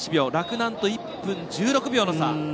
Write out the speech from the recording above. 洛南と１分１６秒の差。